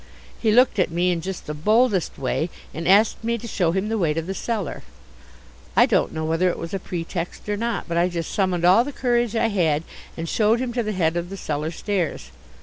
He looked at me in just the boldest way and asked me to show him the way to the cellar. I don't know whether it was a pretext or not, but I just summoned all the courage I had and showed him to the head of the cellar stairs.